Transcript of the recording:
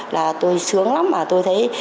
là tôi sướng lắm mà tôi thấy